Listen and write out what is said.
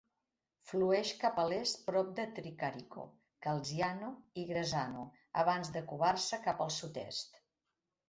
Flueix cap a l'est prop de Tricarico, Calciano i Grassano abans de corbar-se cap al sud-est.